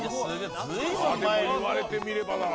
ああでも言われてみればだな。